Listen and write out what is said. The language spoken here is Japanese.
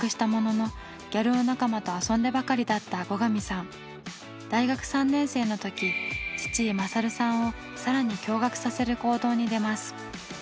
その後大学３年生の時父・勝さんをさらに驚がくさせる行動に出ます。